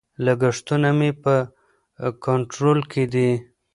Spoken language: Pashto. لګښتونه مې په کنټرول کې دي.